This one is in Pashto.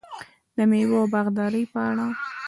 د میوو او باغدارۍ په اړه: